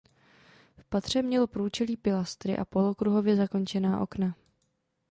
V patře mělo průčelí pilastry a polokruhově zakončená okna.